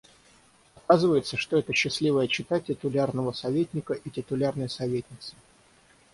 Оказывается, что это счастливая чета титулярного советника и титулярной советницы.